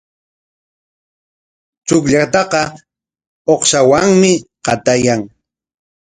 Chukllataqa uqshawanmi qatayan.